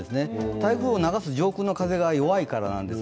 台風を流す上空の風が弱いからなんです。